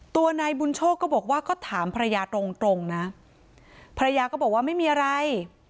ตัวนายบุญโชคก็บอกว่าก็ถามภรรยาตรงตรงนะภรรยาก็บอกว่าไม่มีอะไร